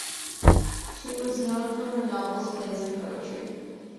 She was known for her novels, plays and poetry.